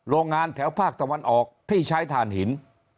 โรงงานแถวภาคตะวันออกที่ใช้ฐานหิน